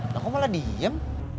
neng aku malah diem